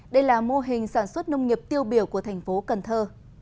đây là mô hình sản xuất nông nghiệp tiêu biểu của thành phố cần thơ